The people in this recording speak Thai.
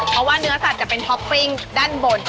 เพราะว่าเนื้อสัตว์จะเป็นท็อปปิ้งด้านบน